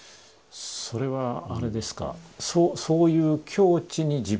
それはあれですかそういう境地に自分がなる。